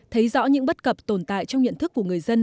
thấy rõ những bất cập tồn tại trong nhận thức của người dân